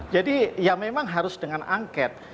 jadi ya memang harus dengan angket